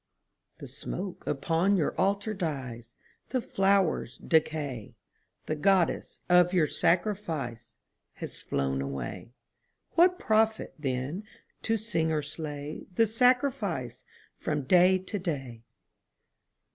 _) The smoke upon your Altar dies, The flowers decay, The Goddess of your sacrifice Has flown away. What profit, then, to sing or slay The sacrifice from day to day?